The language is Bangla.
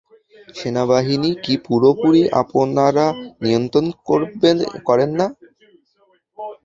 সেনাবাহিনী কি পুরোপুরি আপনারা নিয়ন্ত্রণ করেন না?